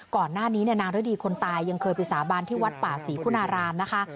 ก่อนหน้านี้นางฤดีคนตายยังเคยไปสาบานที่วัดป่าศรีคุณารามนะคะ